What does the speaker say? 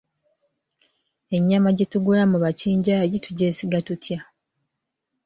Ennyama gye tugula mu bakinjaaji tugyesiga tutya?